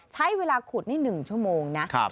ใช้เวลาขุดนี่๑ชั่วโมงนะ